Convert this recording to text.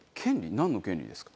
なんの権利ですか？